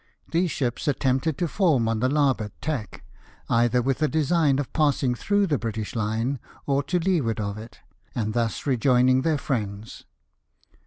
These ships attempted to form on the larboard tack, either with a design of passing through the British line, or to leeward of it, and thus rejoining their friends.